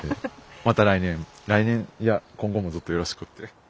また来年いや今後もずっとよろしくって。